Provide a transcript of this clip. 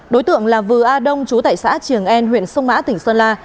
đối tượng là vư a đông chú tại xã trường en huyện sông mã tỉnh sơn la